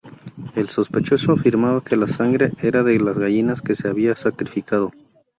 El sospechoso afirmaba que la sangre era de las gallinas que había sacrificado.